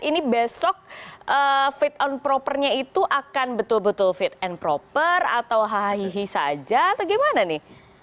ini besok fit and propernya itu akan betul betul fit and proper atau hahihi saja atau gimana nih